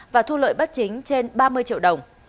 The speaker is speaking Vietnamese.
và thu lợi bất chính trên ba mươi triệu đồng